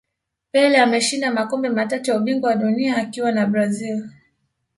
pele ameshinda makombe matatu ya ubingwa wa dunia akiwa na brazil